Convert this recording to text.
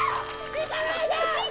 行かないで！